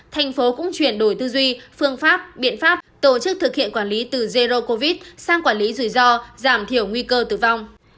thành phố cũng chuyển đổi tư duy phương pháp biện pháp tổ chức thực hiện quản lý từ zero covid sang quản lý rủi ro giảm thiểu nguy cơ tử vong